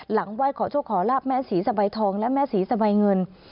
ไหว้ขอโชคขอลาบแม่ศรีสะใบทองและแม่ศรีสะใบเงิน